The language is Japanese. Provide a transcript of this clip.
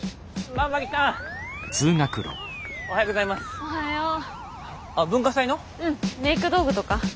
うんメイク道具とか。